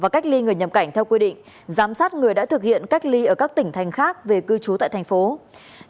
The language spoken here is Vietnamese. cách ly người nhầm cảnh theo quy định giám sát người đã thực hiện cách ly ở các tỉnh thành khác về cư trú tại tp hcm